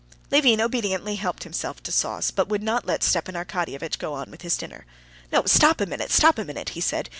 Levin obediently helped himself to sauce, but would not let Stepan Arkadyevitch go on with his dinner. "No, stop a minute, stop a minute," he said.